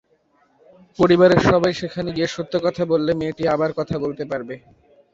পরিবারের সবাই সেখানে গিয়ে সত্য কথা বললে মেয়েটি আবার কথা বলতে পারবে।